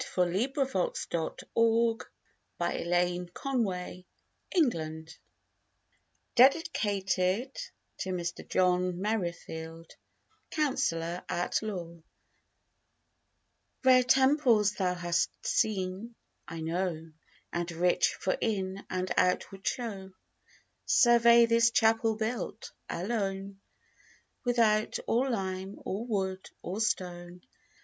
THE FAIRY TEMPLE; OR, OBERON'S CHAPEL DEDICATED TO MR JOHN MERRIFIELD, COUNSELLOR AT LAW RARE TEMPLES THOU HAST SEEN, I KNOW, AND RICH FOR IN AND OUTWARD SHOW; SURVEY THIS CHAPEL BUILT, ALONE, WITHOUT OR LIME, OR WOOD, OR STONE.